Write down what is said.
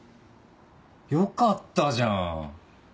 よかったじゃん。